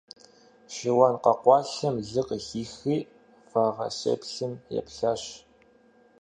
Шыуан къэкъуалъэм лы къыхихри, вагъэсеплъ еплъащ.